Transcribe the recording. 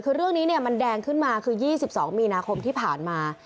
คือเรื่องนี้มันแดงขึ้นมาคือ๒๒มีนาคมที่ผ่านมา